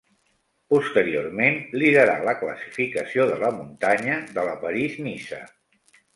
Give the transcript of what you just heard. Posteriorment liderà la classificació de la muntanya de la París-Niça.